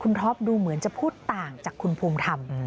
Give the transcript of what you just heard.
ท็อปดูเหมือนจะพูดต่างจากคุณภูมิธรรม